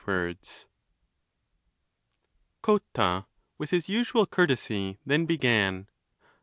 XXI. Cotta, with his usual courtesy, then began.